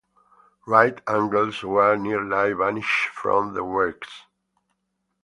Right angles were nearly banished from the works.